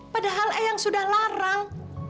padahal eyang sudah larang